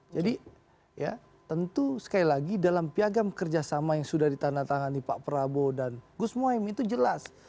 jadi ya tentu sekali lagi dalam piagam kerjasama yang sudah ditandatangani pak prabowo dan gus muhaimi itu jelas